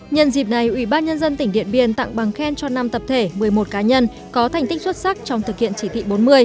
nhân dịp này ủy ban nhân dân tỉnh điện biên tặng bằng khen cho năm tập thể một mươi một cá nhân có thành tích xuất sắc trong thực hiện chỉ thị bốn mươi